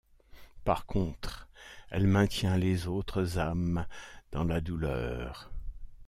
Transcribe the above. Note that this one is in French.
Par contre elle maintient les autres âmes dans la douleur.